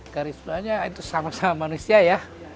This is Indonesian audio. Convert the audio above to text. garis bawahnya itu sama sama manusia ya